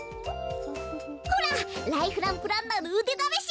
ほらライフランプランナーのうでだめし！